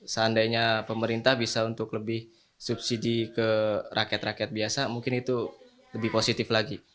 seandainya pemerintah bisa untuk lebih subsidi ke rakyat rakyat biasa mungkin itu lebih positif lagi